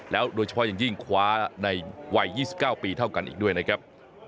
โดยเฉพาะอย่างยิ่งคว้าในวัย๒๙ปีเท่ากันอีกด้วยนะครับ